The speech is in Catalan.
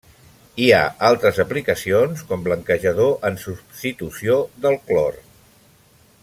Hi ha altres aplicacions com blanquejador en substitució del clor.